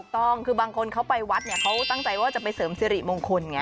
ต้องคือบางคนเขาไปวัดเขาตั้งใจว่าจะไปเสริมสิริมงคล